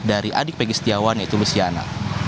adik peggy setiawan yaitu lusiana